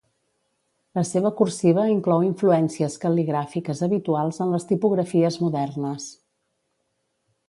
La seva cursiva inclou influències cal·ligràfiques habituals en les tipografies modernes.